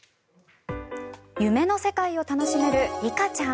夢の世界を楽しめるリカちゃん。